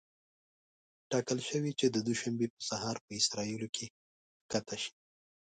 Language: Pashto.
ټاکل شوې چې د دوشنبې په سهار په اسرائیلو کې ښکته شي.